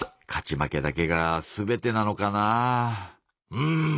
うん。